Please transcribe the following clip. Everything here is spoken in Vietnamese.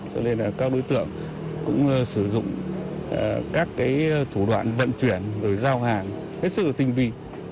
cho nên là các đối tượng cũng sử dụng các thủ đoạn vận chuyển rồi giao hàng hết sức tinh vi